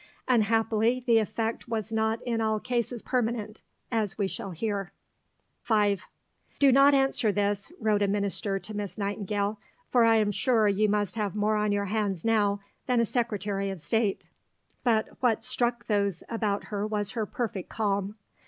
Unhappily the effect was not in all cases permanent, as we shall hear. Stanmore, vol. i. p. 342. V "Do not answer this," wrote a Minister to Miss Nightingale; "for I am sure you must have more on your hands now than a Secretary of State." But what struck those about her was her perfect calm.